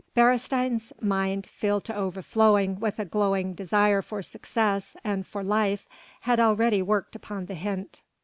Beresteyn's mind filled to over flowing with a glowing desire for success and for life had readily worked upon the hint.